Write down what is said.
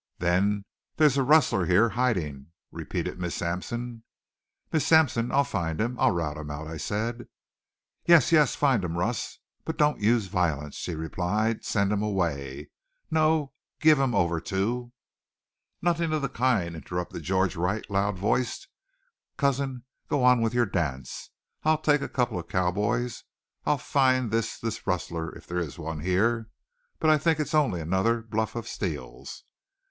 "Then there's a rustler here hiding?" repeated Miss Sampson. "Miss Sampson, I'll find him. I'll rout him out," I said. "Yes, yes, find him, Russ, but don't use violence," she replied. "Send him away no, give him over to " "Nothing of the kind," interrupted George Wright, loud voiced. "Cousin, go on with your dance. I'll take a couple of cowboys. I'll find this this rustler, if there's one here. But I think it's only another bluff of Steele's."